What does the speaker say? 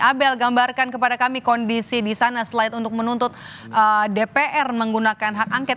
abel gambarkan kepada kami kondisi di sana slide untuk menuntut dpr menggunakan hak angket